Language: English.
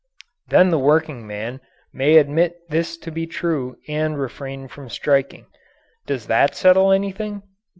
Then the workingman may admit this to be true and refrain from striking. Does that settle anything?